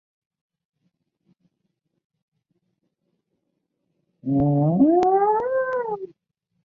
因为他们的信条表明血是神性的在上帝眼中代表生命。